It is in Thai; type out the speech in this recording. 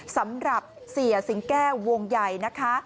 สำหรับเสียสิงแก้ววงใหญ่นะคะ